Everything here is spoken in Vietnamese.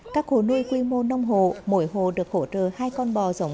các hồ nuôi quy mô nông hồ mỗi hồ được hỗ trợ hai con bò dòng f một